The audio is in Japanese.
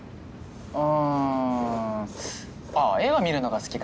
うんああ映画見るのが好きかな。